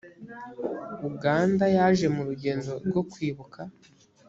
uganda yaje mu urugendo rwo kwibuka